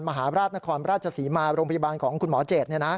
มหาราชนครราชศรีมาโรงพยาบาลของคุณหมอเจด